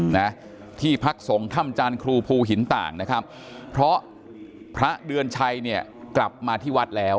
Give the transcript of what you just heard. นะที่พักสงฆ์ถ้ำจานครูภูหินต่างนะครับเพราะพระเดือนชัยเนี่ยกลับมาที่วัดแล้ว